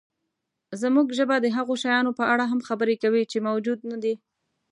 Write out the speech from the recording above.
زموږ ژبه د هغو شیانو په اړه هم خبرې کوي، چې موجود نهدي.